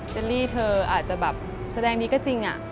เจอร์ลี่เธออาจจะแบบแสดงดีก็จริง